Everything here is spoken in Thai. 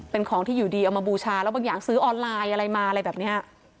เป็นของที่อยู่ดีเอามาบูชาแล้วบางอย่างซื้อออนไลน์อะไรมาอะไรแบบนี้